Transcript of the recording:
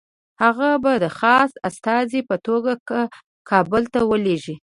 هغه به د خاص استازي په توګه کابل ته ولېږي.